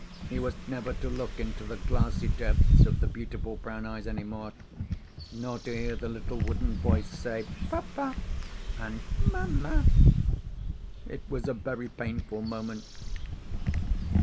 He was never to look into the glassy depths of the beautiful brown eyes any more, nor to hear the little wooden voice say "Pa pa" and "Ma ma." It was a very painful moment.